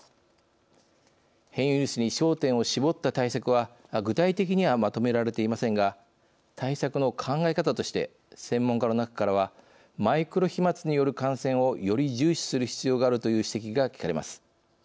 変異ウイルスに焦点を絞った対策は具体的にはまとめられていませんが対策の考え方として専門家の中からはマイクロ飛まつによる感染をより重視する必要があるという指摘が聞かれます。